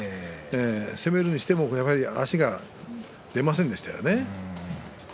攻めるにしても足が出ませんでしたね。